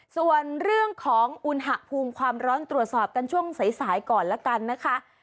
ส่วนเรื่องของอุณหภูมิความร้อนตรวจสอบกันช่วงสายก่อนละกันนะคะ